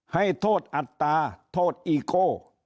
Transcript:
ให้โทษอัตราโทษอีโก้